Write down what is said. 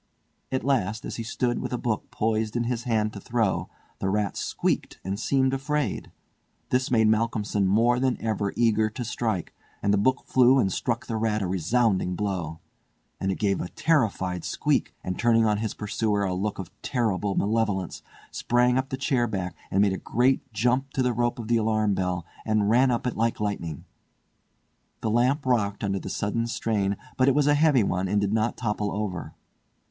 At last, as he stood with a book poised in his hand to throw, the rat squeaked and seemed afraid. This made Malcolmson more than ever eager to strike, and the book flew and struck the rat a resounding blow. It gave a terrified squeak, and turning on his pursuer a look of terrible malevolence, ran up the chair back and made a great jump to the rope of the alarm bell and ran up it like lightning. The lamp rocked under the sudden strain, but it was a heavy one and did not topple over.